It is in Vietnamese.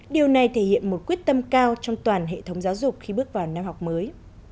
điều này thể hiện một quyết tâm cao trong toàn hệ thống giáo dục khi bước vào năm học mới